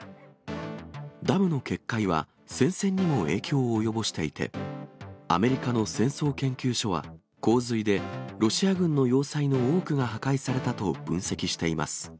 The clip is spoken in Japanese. ダムの決壊は戦線にも影響を及ぼしていて、アメリカの戦争研究所は、洪水でロシア軍の要塞の多くが破壊されたと分析しています。